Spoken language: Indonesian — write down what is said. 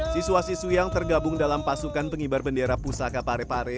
siswa siswi yang tergabung dalam pasukan pengibar bendera pusaka pare pare